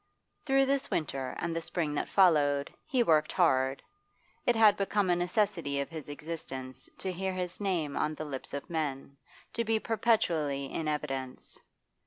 Through this winter and the spring that followed he worked hard. It had become a necessity of his existence to hear his name on the lips of men, to be perpetually in evidence.